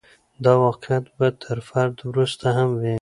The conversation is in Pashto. دا واقعیت به تر فرد وروسته هم وي.